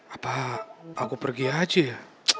apa aku pergi aja ya